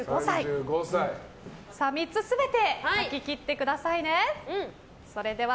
３つ全て書ききってくださいね。